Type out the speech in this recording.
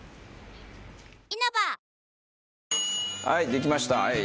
はいできました。